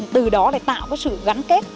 từ đó lại tạo sự gắn kết